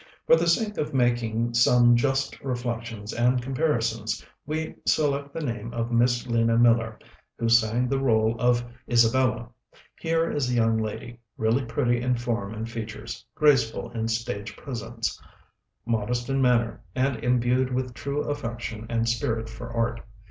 "For the sake of making some just reflections and comparisons, we select the name of Miss Lena Miller, who sang the r├┤le of 'Isabella.' Here is a young lady, really pretty in form and features, graceful in stage presence, modest in manner, and imbued with true affection and spirit for art.